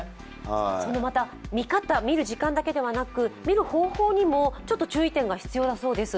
その見る時間だけでなく、見る方法にもちょっと注意点が必要だそうです。